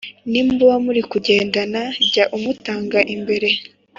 nimuba murimo kugendana jya umutanga imbere